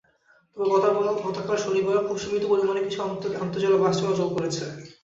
তবে গতকাল শনিবার খুব সীমিত পরিমাণে কিছু আন্তজেলা বাস চলাচল করেছে।